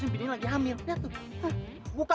dia penumpang yang mau berocok